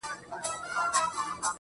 بيا تاته اړتيا لرم ،گراني څومره ښه يې ته